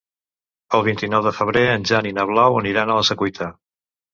El vint-i-nou de febrer en Jan i na Blau aniran a la Secuita.